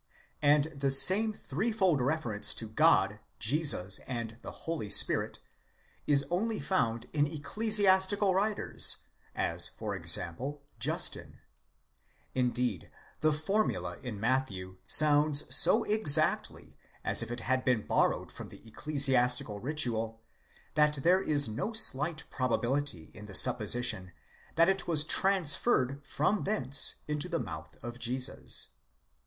5), and the same threefold reference to God, Jesus, and the Holy Spirit is only found in ecclesiastical writers, as, for example, Justin? Indeed the formula in Matthew sounds so exactly as if it had been borrowed from the ecclesiastical 1 Vol. II. § 68. 2 Apol., i. 61. 745 746 PART ΠῚ. CHAPTER V. ὃ 141. ritual, that there is no slight probability in the supposition that it was trans ferred from thence into the mouth of Jesus.